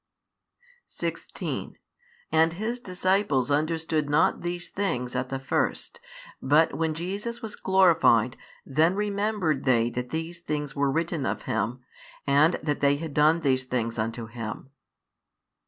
16 And His disciples understood not these things at the first: but when Jesus was glorified, then remembered they that these things were written of Him, and that they had done these things unto Him.